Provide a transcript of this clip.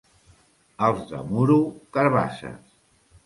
Els de Muro, carabasses.